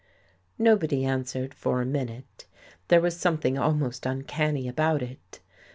" Nobody answered for a minute. There was something almost uncanny about it.